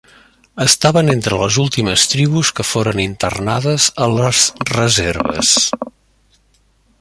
Estaven entre les últimes tribus que foren internades a les reserves.